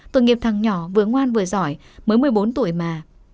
tôi nghiệp thằng nhỏ vừa ngoan vừa giỏi mới một mươi bốn tuổi mà